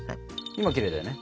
今きれいだよね？